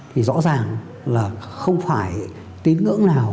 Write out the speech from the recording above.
thì rõ ràng là không phải tín ngưỡng nào